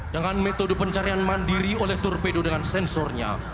dengan metode pencarian mandiri oleh torpedo dengan sensornya